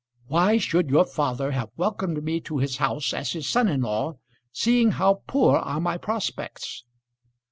Why should your father have welcomed me to his house as his son in law, seeing how poor are my prospects?"